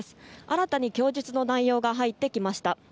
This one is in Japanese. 新たに供述の内容が入ってきました。